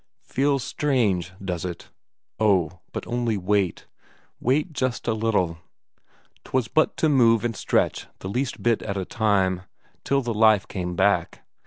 Feels strange, does it? Oh, but only wait, wait just a little. 'Twas but to move and stretch the least bit at a time, till the life came back.